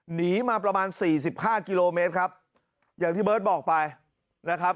หนีมาประมาณสี่สิบห้ากิโลเมตรครับอย่างที่เบิร์ตบอกไปนะครับ